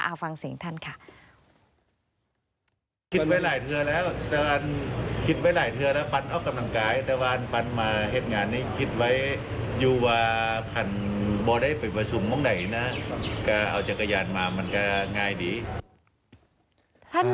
เอาฟังเสียงท่านค่ะ